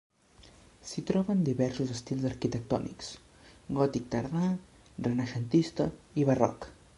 S'hi troben diversos estils arquitectònics: gòtic tardà, renaixentista i barroc.